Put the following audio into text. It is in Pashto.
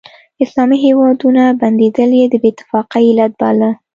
اسلامي هیوادونه بندېدل یې د بې اتفاقۍ علت باله.